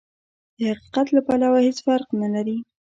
د حقيقت له پلوه هېڅ فرق نه لري.